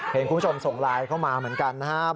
เห็นคุณผู้ชมส่งไลน์เข้ามาเหมือนกันนะครับ